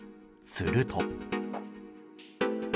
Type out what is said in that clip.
すると。